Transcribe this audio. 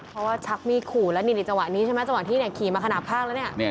เพราะว่าชักมีขูเดี๋ยวจังหวะที่ขี่มาขนาดข้างแล้ว